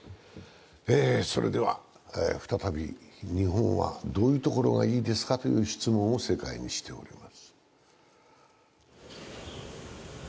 再び日本はどういうところがいいですかという質問を世界にしております。